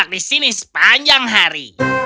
kita akan terjebak di sini sepanjang hari